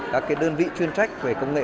các đơn vị chuyên trách về công nghệ